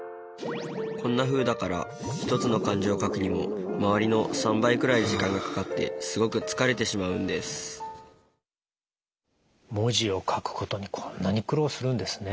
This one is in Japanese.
こんなふうだから１つの漢字を書くにも周りの３倍くらい時間がかかってすごく疲れてしまうんです文字を書くことにこんなに苦労するんですね。